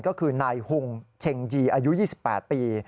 ก็คือนายหุงเช็งยีอายุ๒๘ปี